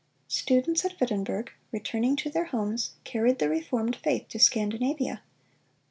Students at Wittenberg, returning to their homes, carried the reformed faith to Scandinavia.